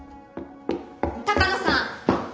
鷹野さん！